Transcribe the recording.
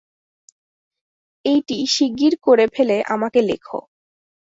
এইটি শীগগির করে ফেলে আমাকে লেখো।